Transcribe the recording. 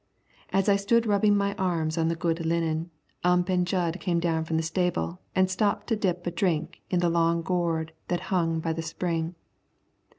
As I stood rubbing my arms on the good linen, Ump and Jud came down from the stable and stopped to dip a drink in the long gourd that hung by the spring.